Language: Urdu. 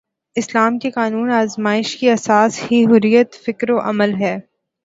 اسلام کے قانون آزمائش کی اساس ہی حریت فکر و عمل ہے۔